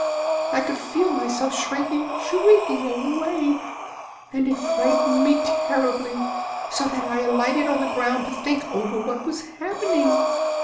I could feel myself shrinking, shrinking away, and it frightened me terribly, so that I lighted on the ground to think over what was happening.